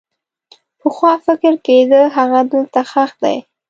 پخوا فکر کېده هغه دلته ښخ دی.